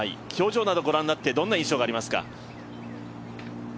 表情など御覧になって、どんな印象がありますか？